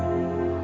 terima kasih pak